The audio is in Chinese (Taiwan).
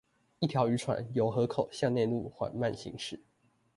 一條漁船由河口向內陸緩慢行駛